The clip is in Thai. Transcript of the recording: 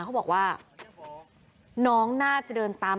เขาบอกว่าน้องน่าจะเดินตาม